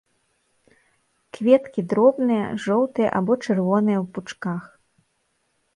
Кветкі дробныя, жоўтыя або чырвоныя ў пучках.